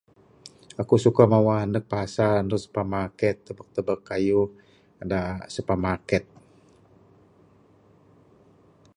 Akuk suka mawah ndug pasar ndug supermaket tebuk tebuk kayuh dak supermaket.